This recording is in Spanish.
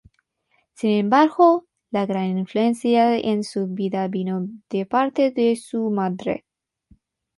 Sin embargo, la gran influencia en su vida vino de parte de su madre.